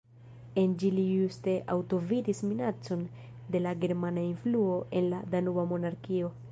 En ĝi li juste antaŭvidis minacon de la germana influo en la Danuba Monarkio.